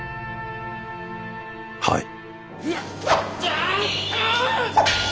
はい。